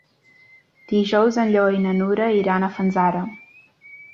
Dijous en Lleó i na Nura iran a Fanzara.